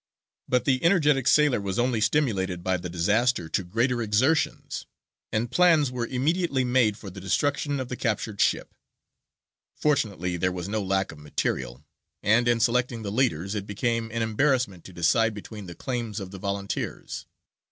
But the energetic sailor was only stimulated by the disaster to greater exertions, and plans were immediately made for the destruction of the captured ship. Fortunately there was no lack of material, and, in selecting the leaders, it became an embarrassment to decide between the claims of the volunteers.